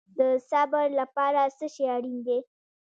د صبر لپاره څه شی اړین دی؟